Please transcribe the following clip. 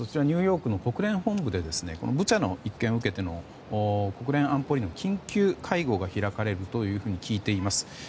ニューヨークの国連本部でブチャの一件を受けての国連安保理の緊急会合が開かれるというふうに聞いています。